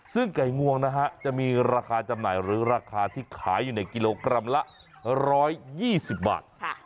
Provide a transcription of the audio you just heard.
ซึ่งไก่งวงนะฮะจะมีราคาจำหน่ายหรือราคาที่ขายอยู่ในกิโลกรัมละ๑๒๐บาท